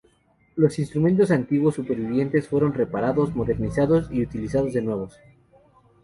Los instrumentos antiguos supervivientes fueron reparados, modernizados y utilizados de nuevo.